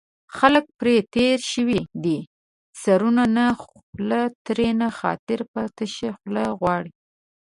خلک پرې تېر شوي دي سرونو نه خوله ترېنه خاطر په تشه خوله غواړي